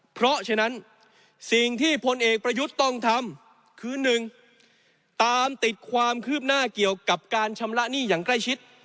เพราะฉะนั้นสิ่งที่พลเอกประยุทธ์ต้องทำคือ๑ตามติดความคืบหน้าเกี่ยวกับการชำระหนี้อย่างใกล้ชิด